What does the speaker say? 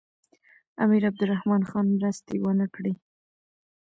امیر عبدالرحمن خان مرستې ونه کړې.